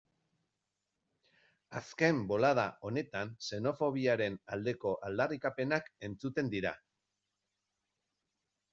Azken bolada honetan xenofobiaren aldeko aldarrikapenak entzuten dira.